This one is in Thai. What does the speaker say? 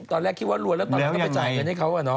ตอนแรกคิดว่ารวยแล้วตอนนั้นก็ไปจ่ายเงินให้เขาอะเนาะ